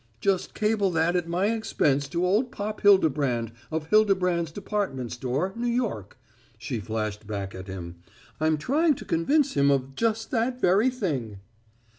"Just cable that at my expense to old Pop Hildebrand, of Hildebrand's department store, New York," she flashed back at him. "I'm trying to convince him of just that very thing."